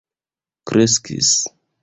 kreskis